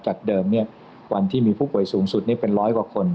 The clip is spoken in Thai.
จากเดิมวันที่มีผู้ป่วยสูงสุดนี่เป็นร้อยกว่าคน